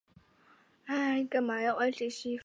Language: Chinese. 北关东一带最大组织。